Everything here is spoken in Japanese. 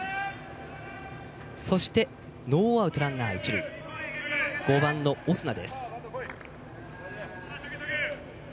そしてノーアウトランナー、一塁バッターは５番のオスナ。